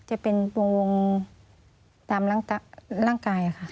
จะเป็นวงตามร่างกายค่ะ